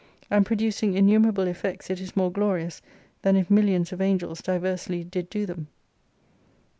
And producing innumerable effects it is more glorious, than if miUions of Angels diversly did do them.